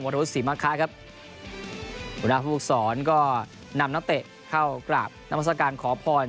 วรุษฏมรกะครับบุคสรก็นำนักเตะเข้ากราบน้ำวัศกาลขอพร